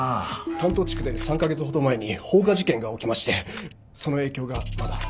担当地区で３カ月ほど前に放火事件が起きましてその影響がまだ。